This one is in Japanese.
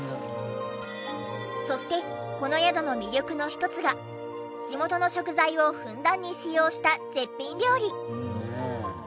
そしてこの宿の魅力の一つが地元の食材をふんだんに使用した絶品料理。